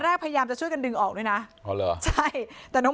พยายามจะช่วยกันดึงออกด้วยนะอ๋อเหรอใช่แต่น้อง